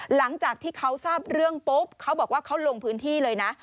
หลังจากที่เขาทราบเรื่องปุ๊บเขาบอกว่าเขาลงพื้นที่เลยนะ